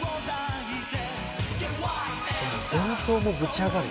前奏もぶち上がる。